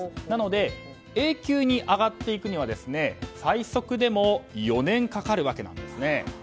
なので、Ａ級に上がっていくには最速でも４年かかるわけなんです。